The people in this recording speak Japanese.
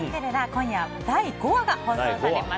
今夜は第５話が放送されます。